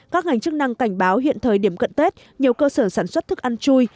các ngành chức năng cảnh báo hiện thời điểm cận tết nhiều cơ sở sản xuất thức ăn chui